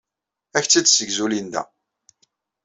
Ad ak-tt-id-tessegzu Linda.